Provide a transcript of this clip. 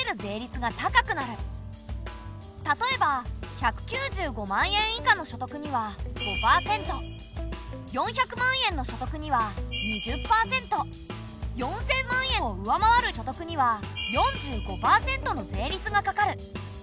例えば１９５万円以下の所得には５％４００万円の所得には２０％４，０００万円を上回る所得には４５％の税率がかかる。